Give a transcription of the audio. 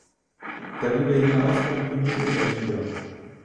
Darüber hinaus komponierte er Lieder.